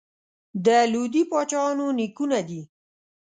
د لودي پاچاهانو نیکونه دي.